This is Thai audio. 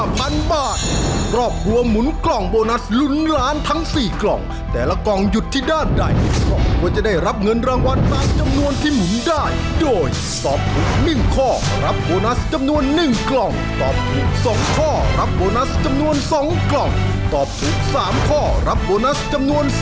ประกอบทรทัศน์ให้สำเร็จ